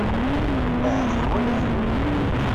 Ahat iwala-t.